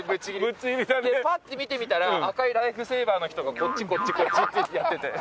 パッて見てみたら赤いライフセーバーの人が「こっちこっちこっち」ってやってて。